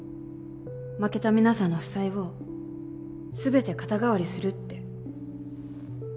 負けた皆さんの負債を全て肩代わりするって。